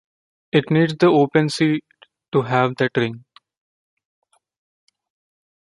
It needs the open C to have that ring.